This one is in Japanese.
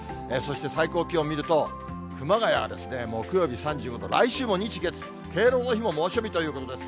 最高気温見ると、熊谷が木曜日３５度、来週も日、月、敬老の日も猛暑日ということです。